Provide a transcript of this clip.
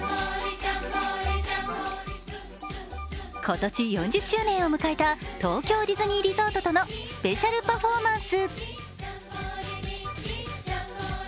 今年４０周年を迎えた東京ディズニーリゾートとのスペシャルパフォーマンス。